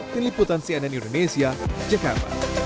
terliputan cnn indonesia ckm